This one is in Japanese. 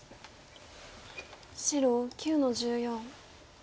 白９の十四。